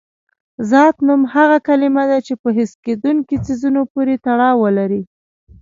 ذات نوم هغه کلمه ده چې په حس کېدونکي څیزونو پورې تړاو ولري.